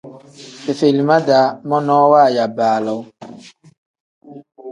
Fefelima-daa monoo waaya baaloo.